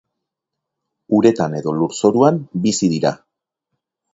Uretan edo lurzoruan bizi dira.